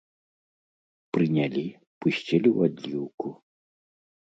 Прынялі, пусцілі ў адліўку.